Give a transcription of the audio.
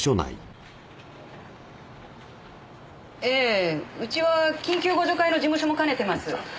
ええうちは緊急互助会の事務所も兼ねてます。